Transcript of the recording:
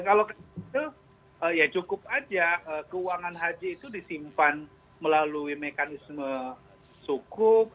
kalau ya cukup aja keuangan haji itu disimpan melalui mekanisme suku